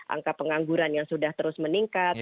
angka pengangguran yang sudah terus meningkat